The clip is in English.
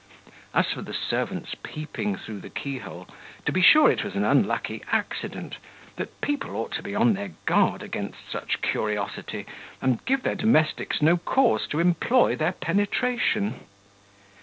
As for the servants peeping through the key hole, to be sure it was an unlucky accident; but people ought to be upon their guard against such curiosity, and give their domestics no cause to employ their penetration.